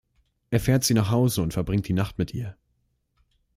Er fährt sie nach Hause und verbringt die Nacht mit ihr.